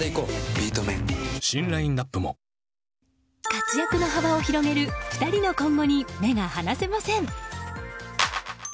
活躍の幅を広げる２人の今後に目が離せません。